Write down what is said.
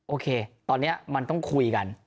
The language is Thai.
โอเคตอนนี้มันต้องคุยกัน